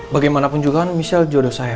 bagaimanapun juga kan michelle jodoh saya